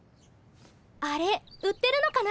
あれ売ってるのかな？